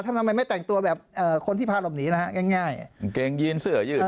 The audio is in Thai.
ทำไมไม่แต่งตัวแบบคนที่พาหลบหนีนะฮะง่ายกางเกงยีนเสื้อยืด